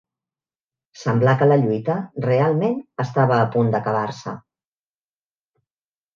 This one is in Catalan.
Semblà que la lluita, realment, estava a punt d'acabar-se